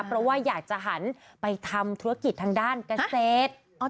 เพราะว่าอยากจะหันไปทำธุรกิจทางด้านเกษตร